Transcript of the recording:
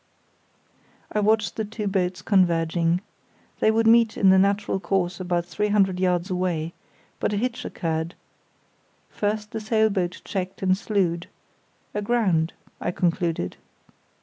I watched the two boats converging. They would meet in the natural course about three hundred yards away, but a hitch occurred. First, the sail boat checked and slewed; "aground," I concluded.